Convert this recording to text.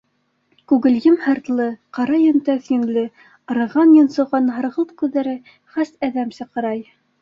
Күгелйем һыртлы, ҡара йөнтәҫ йөнлө, арыған-йонсоған һарғылт күҙҙәре хәс әҙәмсә ҡарай.